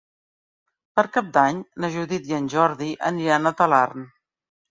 Per Cap d'Any na Judit i en Jordi aniran a Talarn.